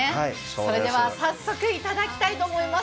それでは早速、いただきたいと思います。